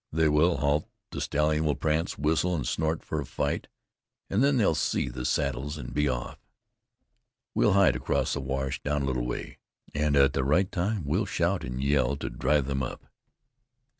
They will halt; the stallion will prance, whistle and snort for a fight, and then they'll see the saddles and be off. We'll hide across the wash, down a little way, and at the right time we'll shout and yell to drive them up."